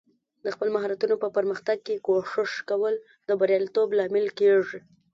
د خپل مهارتونو په پرمختګ کې کوښښ کول د بریالیتوب لامل کیږي.